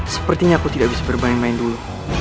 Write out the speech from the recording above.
sepertinya aku tidak bisa bermain main dulu